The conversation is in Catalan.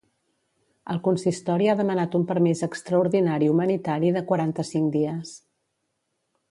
El consistori ha demanat un permís extraordinari humanitari de quaranta-cinc dies.